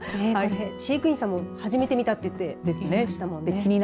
飼育員さんも初めて見たと言っていましたもんね。